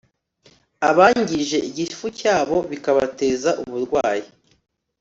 Abangije igifu cyabo bikabateza uburwayi